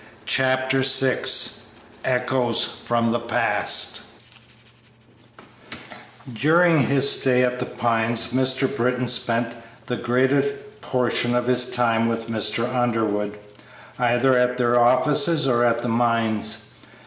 Chapter VI ECHOES FROM THE PAST During his stay at The Pines Mr. Britton spent the greater portion of his time with Mr. Underwood, either at their offices or at the mines.